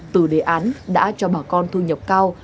từ đề án đã cho bà con thu nhập cao